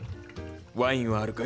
ワインはあるかい？